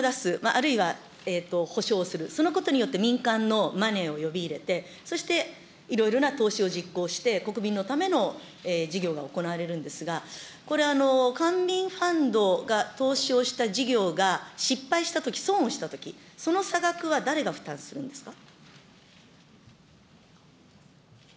あるいはほしょうをする、そのことによって民間のマネーを呼び入れて、そしていろいろな投資を実行して、国民のための事業が行われるんですが、これ、官民ファンドが投資をした事業が失敗したとき、損をしたとき、その差額は誰が負担するんですか。